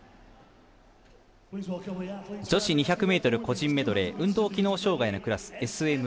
女子２００ｍ個人メドレー運動機能障がいのクラス、ＳＭ５。